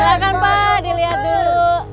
silahkan pak dilihat dulu